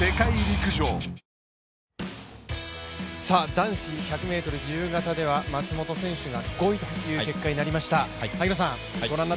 男子１００ｍ自由形では松元選手が５位という結果になりました。